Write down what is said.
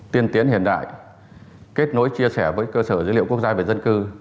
tiên tiến hiện đại kết nối chia sẻ với cơ sở dữ liệu quốc gia về dân cư